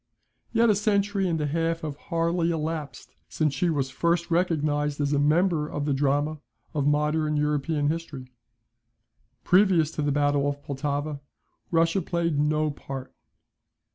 Yet a century and a half have hardly elapsed since she was first recognised as a member of the drama of modern European history previously to the battle of Pultowa, Russia played no part.